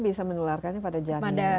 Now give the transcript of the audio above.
bisa menularkannya kepada janin